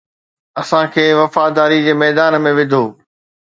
اسان کي وفاداري جي ميدان ۾ وڌو